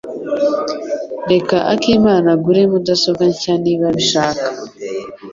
Reka akimana agure mudasobwa nshya niba abishaka.